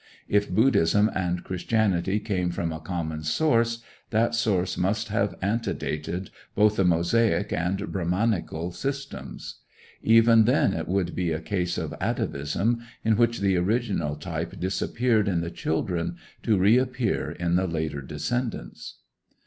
If Buddhism and Christianity came from a common source, that source must have antedated both the Mosaic and Brahmanical systems. Even then it would be a case of atavism in which the original type disappeared in the children, to reappear in the later descendants.